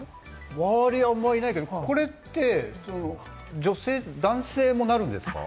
周りはあまりないけれども、これって女性、男性もなるんですか？